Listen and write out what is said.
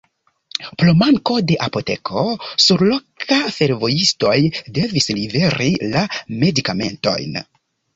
Pro manko de apoteko surloka fervojistoj devis liveri la medikamentojn.